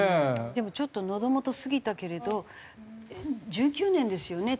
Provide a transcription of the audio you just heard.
でもちょっと喉元過ぎたけれど１９年ですよね？